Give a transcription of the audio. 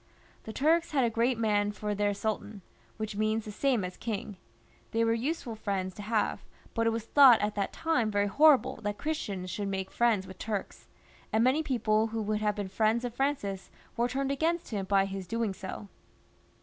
The Turks had a great man for their sultan, which means the same as our king; they were useful XXXV.] FRANCIS I, •253 friends to have, but it was thought at that time very hor rible that Christians should make friends with Turks, and many people who would have been friends of Francis were turned against him by his doing so.